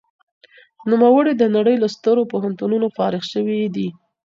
نوموړي د نړۍ له سترو پوهنتونونو فارغ شوی دی.